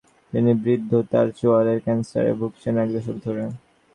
তিনি বৃদ্ধ, তায় চোয়ালের ক্যানসারে ভুগছেন এক দশক ধরে।